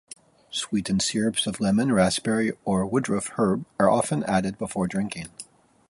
Sweetened syrups of lemon, raspberry or woodruff herb are often added before drinking.